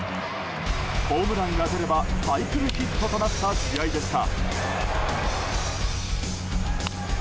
ホームランが出ればサイクルヒットとなった試合でした。